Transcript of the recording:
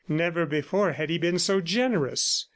Never before had he been so generous.